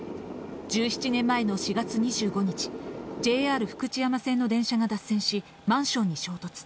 １７年前の４月２５日、ＪＲ福知山線の電車が脱線し、マンションに衝突。